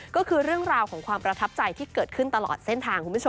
ก็คือเรื่องราวของความประทับใจที่เกิดขึ้นตลอดเส้นทางคุณผู้ชม